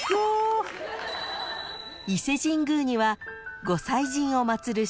［伊勢神宮にはご祭神を祭る